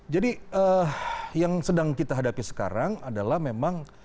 jadi yang sedang kita hadapi sekarang adalah memang